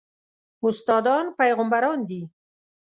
استادان پېغمبران دي